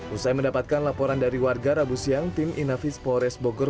usai mendapatkan laporan dari warga rabu siang tim inafis polres bogor